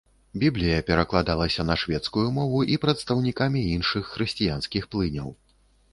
Біблія перакладалася на шведскую мову і прадстаўнікамі іншых хрысціянскіх плыняў.